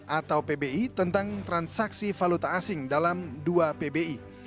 atau pbi tentang transaksi valuta asing dalam dua pbi